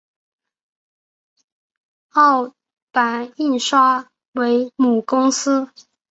凸版印刷为母公司。